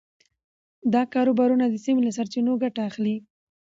دا کاروبارونه د سیمې له سرچینو ګټه اخلي.